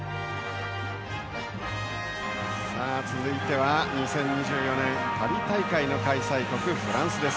続いては２０２４年パリ大会の開催国フランス。